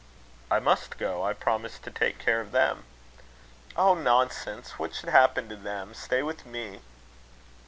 "I must go. I promised to take care of them." "Oh, nonsense! What should happen to them? Stay with me."